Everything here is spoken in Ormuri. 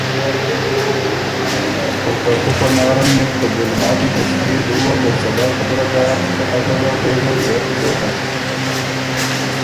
او ترتُو پناره ن يې بو ته ګلماتی ته ݭيې دُوه ته څلؤ خبُره داک۔ که ازه له پېژه ویزر زوکم۔